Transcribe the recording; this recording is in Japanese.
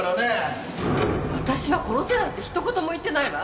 私は殺せなんて一言も言ってないわ。